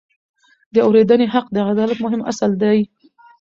د اورېدنې حق د عدالت مهم اصل دی.